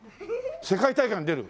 世界大会に出る？